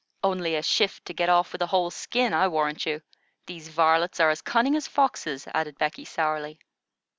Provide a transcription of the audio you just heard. "Only a shift to get off with a whole skin, I warrant you. These varlets are as cunning as foxes," added Becky, sourly.